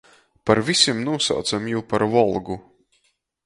Par vysim nūsaucam jū par Volgu.